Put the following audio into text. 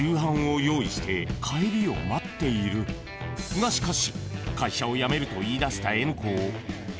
［がしかし］